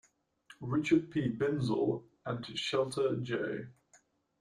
Richard P. Binzel and Schelte J.